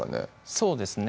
そうですね